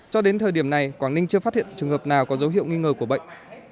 cho đến thời điểm này quảng ninh chưa phát hiện trường hợp nào có dấu hiệu nghi ngờ của bệnh